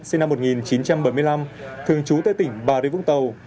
sinh năm một nghìn chín trăm bảy mươi năm thường trú tại tỉnh bà rịa vũng tàu